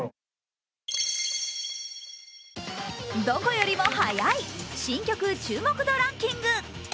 どこよりも早い、新曲注目度ランキング。